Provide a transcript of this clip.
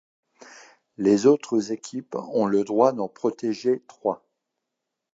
Les autres équipes ont le droit d'en protéger trois.